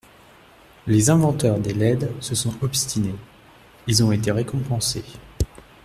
Les inventeurs des LED se sont obstinés, ils ont été récompensés.